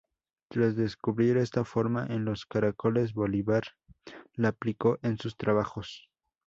Tras descubrir esta forma en los caracoles, Bolívar la aplicó en sus trabajos.